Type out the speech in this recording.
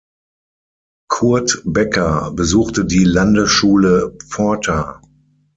Curt Becker besuchte die Landesschule Pforta.